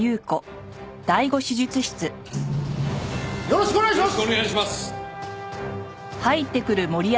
よろしくお願いします！